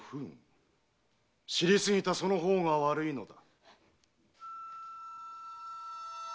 知りすぎたその方が悪いのだ。